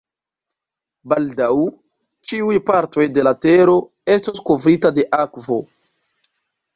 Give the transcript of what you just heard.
Baldaŭ, ĉiuj partoj de la tero estos kovrita de akvo.